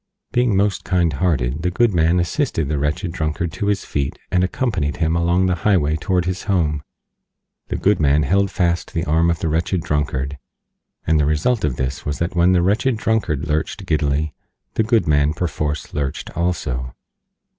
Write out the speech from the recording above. Being most kind hearted, the Good Man assisted the Wretched Drunkard to his feet and accompanied him along the Highway toward his Home. The Good Man held fast the arm of the Wretched Drunkard, and the result of this was that when the Wretched Drunkard lurched giddily the Good Man perforce lurched too.